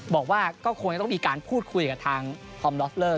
บอกว่าก็คงจะต้องมีการพูดคุยกับทางฮอร์มลอฟเลอร์